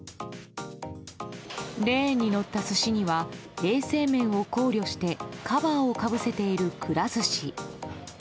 レーンに乗った寿司には衛生面を考慮してカバーをかぶせている、くら寿司。